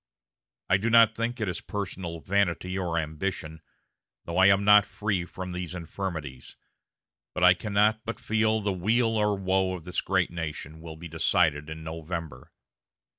I do not think it is personal vanity or ambition, though I am not free from these infirmities, but I cannot but feel that the weal or woe of this great nation will be decided in November.